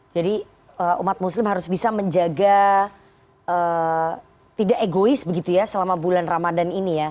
jadi umat muslim harus bisa menjaga tidak egois begitu ya selama bulan ramadan ini ya